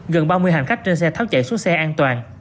gần ba mươi hành khách trên xe tháo chạy xuống xe an toàn